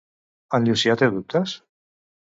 En Llucià té dubtes?